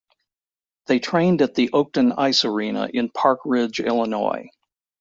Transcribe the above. They trained at the Oakton Ice Arena in Park Ridge, Illinois.